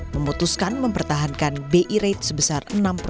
memutuskan mempertahankan bi rate sebesar